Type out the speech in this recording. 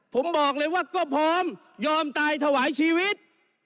ผมบอกเลยว่าก็พร้อมยอมตายถวายชีวิต